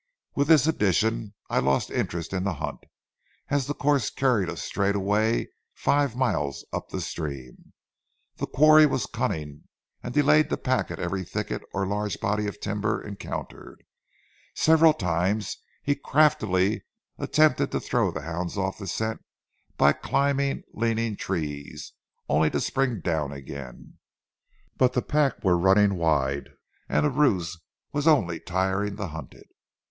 With this addition, I lost interest in the hunt, as the course carried us straightaway five miles up the stream. The quarry was cunning and delayed the pack at every thicket or large body of timber encountered. Several times he craftily attempted to throw the hounds off the scent by climbing leaning trees, only to spring down again. But the pack were running wide and the ruse was only tiring the hunted.